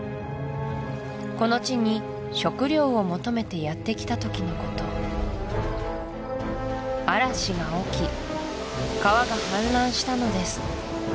この地に食料を求めてやってきた時のこと嵐が起き川が氾濫したのです